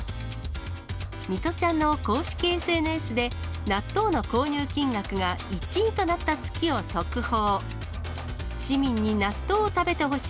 みとちゃんの公式ＳＮＳで、納豆の購入金額が１位となった月を速報。